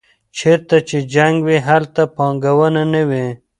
چېرته چې جنګ وي هلته پانګونه نه وي.